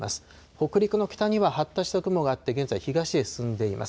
北陸の北には発達した雲があって、現在、東へ進んでいます。